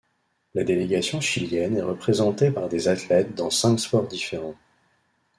La délégation chilienne est représentée par des athlètes dans cinq sports différents.